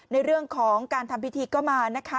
ในเรื่องของการทำพิธีก็มานะคะ